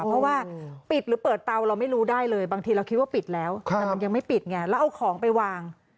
เพราะว่าปิดหรือเปิดเตาเราไม่รู้ได้เลยบางทีเราคิดว่าปิดแล้วแต่มันยังไม่ปิดไงแล้วเอาของไปวาง